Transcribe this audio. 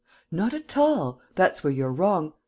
"Not at all! That's where you're wrong!